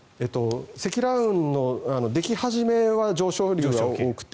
積乱雲のでき始めは上昇流が多くて